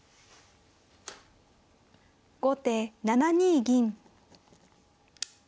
後手７二銀。